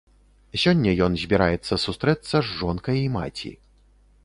Сёння ён збіраецца сустрэцца з жонкай і маці.